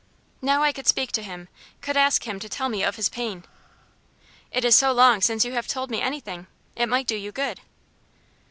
Now I could speak to him could ask him to tell me of his pain. "It is so long since you have told me anything. It might do you good."